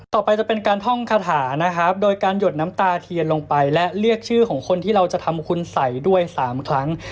ต่อไปจะเป็นการท่องคาถานะครับโดยการหยดน้ำตาเทียนลงไปและเรียกชื่อของคนที่เราจะทำคุณสัยด้วย๓ครั้ง